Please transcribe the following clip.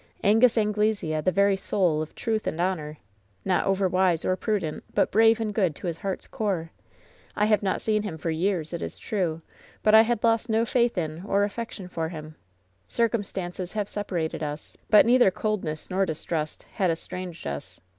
Angus Anglesea, the very soul of truth and honor. Not overwise or prudent, but brave and good to his heart's core. I have not seen him for years, it is true ; but I had lost no faith in or affec tion for him. Circumstances have separated us; but neither coldness nor distrust had estranged us.